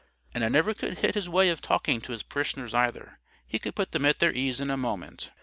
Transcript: And I never could hit his way of talking to his parishioners either. He could put them at their ease in a moment.